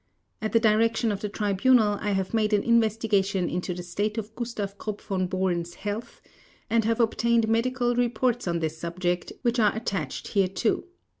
At the direction of the Tribunal I have made an investigation into the state of Gustav Krupp von Bohlen's health and have obtained medical reports on this subject which are attached hereto.